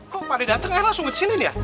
kok pak dek dateng airnya langsung kecilin ya